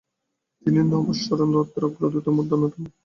তিনি নভশ্চরণ তত্ত্বের অগ্রদূতদের মধ্যে অন্যতম।